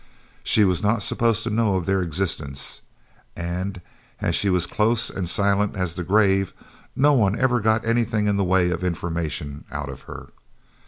She was not supposed to know of their existence, and as she was close and silent as the grave, no one ever got anything in the way of information out of her.